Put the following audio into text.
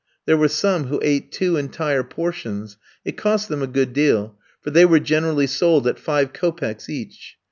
There were some who ate two entire portions; it cost them a good deal, for they were generally sold at five kopecks each.